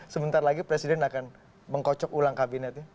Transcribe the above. sebentar lagi presiden akan mengkocok ulang kabinetnya